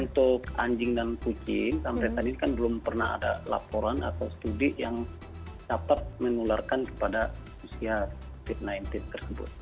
untuk anjing dan kucing sampai tadi kan belum pernah ada laporan atau studi yang dapat mengularkan kepada usia tip sembilan tip tersebut